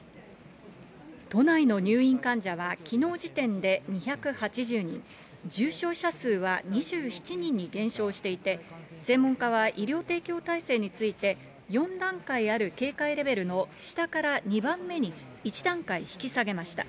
都内の入院患者は、きのう時点で２８０人、重症者数は２７人に減少していて、専門家は医療提供体制について、４段階ある警戒レベルの下から２番目に１段階引き下げました。